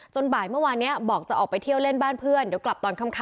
บ่ายเมื่อวานนี้บอกจะออกไปเที่ยวเล่นบ้านเพื่อนเดี๋ยวกลับตอนค่ำ